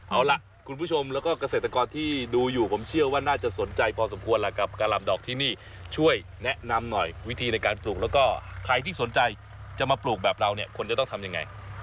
เอาล่ะคุณผู้ชมแล้วก็เกษตรกรที่ดูอยู่ผมเชื่อว่าน่าจะสนใจพอสมควรล่ะกับกะหล่ำดอกที่นี่ช่วยแนะนำหน่อยวิธีในการปลูกแล้วก็ใครที่สนใจจะมาปลูกแบบเราเนี่ยควรจะต้องทำยังไง